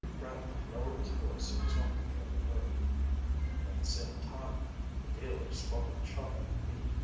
Bradley lowered his voice so as not to be overheard. "At the same time, the dealers spotted Chahda and me.